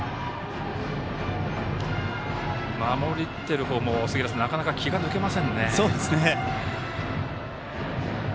守ってる方もなかなか、気が抜けませんね。